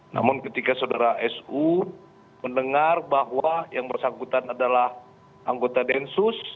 namun ketika saudara su mendengar bahwa yang bersangkutan adalah anggota densus